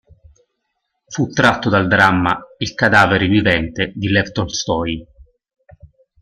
Fu tratto dal dramma "Il cadavere vivente" di Lev Tolstoj.